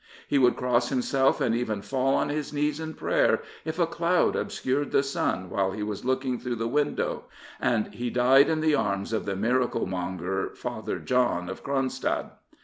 He would cross himself and even fall on his knees in prayer if a cloud obscured the sun while he was looking through the window, and he died in the arms of that miracle monger, Father John of Cron stadt.